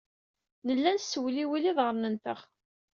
Nella nessewliwil iḍarren-nteɣ.